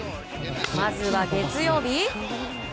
まずは月曜日。